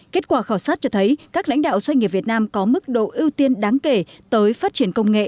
kết quả khảo sát cho thấy các lãnh đạo doanh nghiệp việt nam có mức độ ưu tiên đáng kể tới phát triển công nghệ